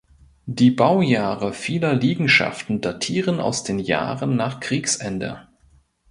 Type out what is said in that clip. Die Baujahre vieler Liegenschaften datieren aus den Jahren nach Kriegsende.